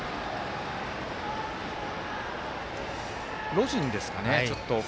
ロジンですかね。